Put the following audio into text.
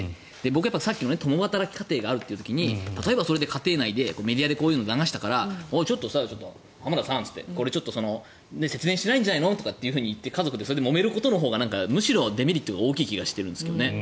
僕、さっきの共働き家庭がある時に例えば、それで家庭内でメディアでこういうのを流したからちょっと、浜田さんと言って節電してないんじゃないの？と言って家族でもめるほうがデメリットが大きい気がしてるんですけどね。